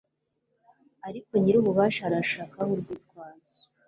ariko nyir'ububasha aranshakaho urwitwazo